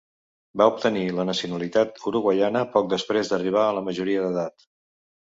Va obtenir la nacionalitat uruguaiana poc després d'arribar a la majoria d'edat.